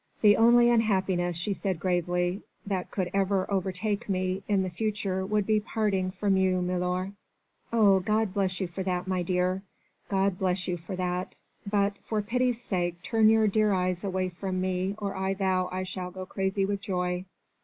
"The only unhappiness," she said gravely, "that could ever overtake me in the future would be parting from you, milor." "Oh! God bless you for that, my dear! God bless you for that! But for pity's sake turn your dear eyes away from me or I vow I shall go crazy with joy.